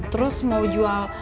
terus mau jual